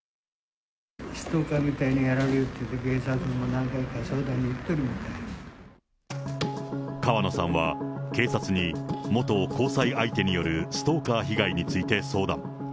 ストーカーみたいにやられていると、警察に何回か、川野さんは警察に、元交際相手によるストーカー被害について相談。